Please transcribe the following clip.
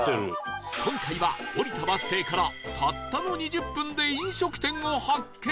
今回は降りたバス停からたったの２０分で飲食店を発見！